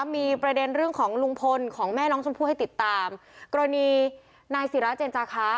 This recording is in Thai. มีประเด็นเรื่องของลุงพลของแม่น้องชมพู่ให้ติดตามกรณีนายศิราเจนจาคะ